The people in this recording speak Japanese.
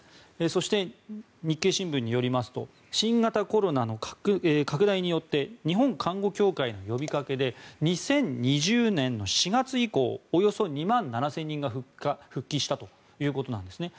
そして、日経新聞によりますと新型コロナの拡大によって日本看護協会の呼びかけで２０２０年の４月以降およそ２万７０００人が復帰したということなんですね。